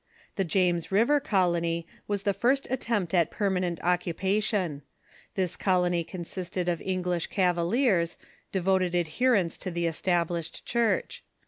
The James River Colony was the first attempt at permanent occupation. The This colony consisted of English Cavaliers, devoted James River adherents of the Established Church.